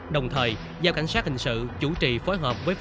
đồng thời giao cảnh sát hình sự chủ trì phối hợp với